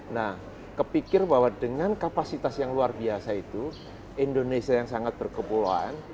nah kepikir bahwa dengan kapasitas yang luar biasa itu indonesia yang sangat berkepulauan